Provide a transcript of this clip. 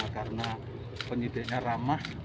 karena penyidiknya ramah